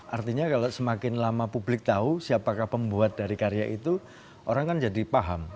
artinya kalau semakin lama publik tahu siapakah pembuat dari karya itu orang kan jadi paham